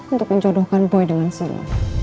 untuk menjodohkan boy dengan silo